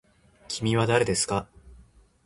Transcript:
きみはだれですか。